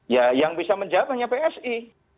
ya yang bisa menjawab hanya psi